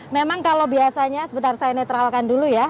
memang kalau biasanya sebentar saya netralkan dulu ya